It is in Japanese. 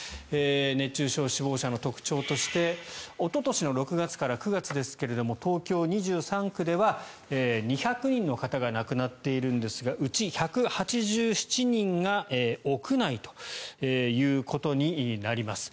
熱中症死亡者の特徴としておととし６月から９月ですが東京２３区では２００人の方が亡くなっているんですがうち１８７人が屋内ということになります。